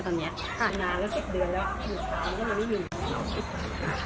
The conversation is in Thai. ขนาด๑๐เดือนแล้วไม่มี